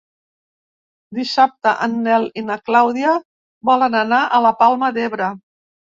Dissabte en Nel i na Clàudia volen anar a la Palma d'Ebre.